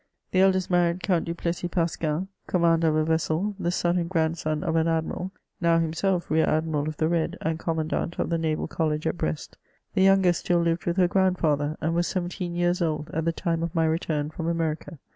The eldest married Count da Plesm Pancaiiy eommander of a ▼essely the son and grandson of an admiral, now himaelf lear admiral of the red, and commandant of the naral collie at Brest ; the youngest still lived with her grand&ther, and was serenteen years old at the time of my return from America.